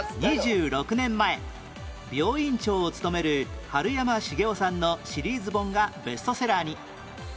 ２６年前病院長を務める春山茂雄さんのシリーズ本がベストセラーに